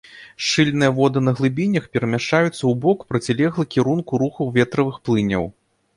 Шчыльныя воды на глыбінях перамяшчаюцца ў бок, процілеглы кірунку руху ветравых плыняў.